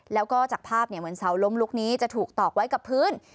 แล้วก็จากภาพเหมือนเสาล้มลุกนี้จะถูกตอกไว้กับพื้น